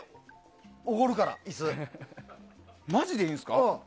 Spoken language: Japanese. マジでいいんですか？